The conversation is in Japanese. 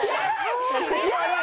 やばい！